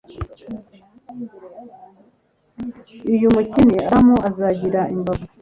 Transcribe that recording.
Uyu mukene Adamu azagira imbavu